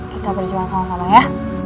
kita berjuang sama sama ya